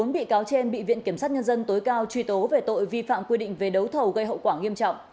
bốn bị cáo trên bị viện kiểm sát nhân dân tối cao truy tố về tội vi phạm quy định về đấu thầu gây hậu quả nghiêm trọng